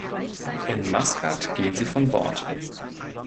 In Maskat gehen sie von Bord.